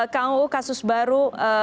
kang u kasus baru